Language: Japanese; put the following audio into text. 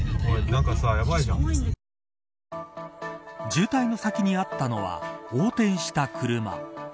渋滞の先にあったのは横転した車。